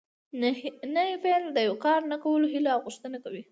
نهي فعل د یو کار نه کولو هیله او غوښتنه کوي.